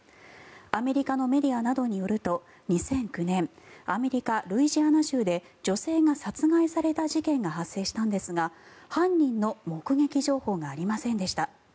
アメリカのメディアなどによると２００９年アメリカ・ルイジアナ州で女性が殺害された事件が発生したんですが犯人の目撃情報がありませんでした。